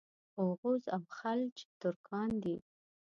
اوغوز او خَلَج ترکان دي.